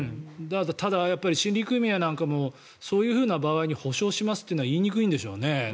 ただ、森林組合なんかもそういう場合に補償しますというのは言いにくいんでしょうね。